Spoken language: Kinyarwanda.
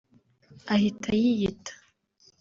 ahita yiyita